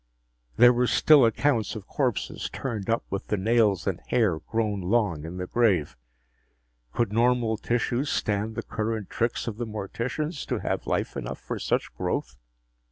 There were still accounts of corpses turned up with the nails and hair grown long in the grave. Could normal tissues stand the current tricks of the morticians to have life enough for such growth?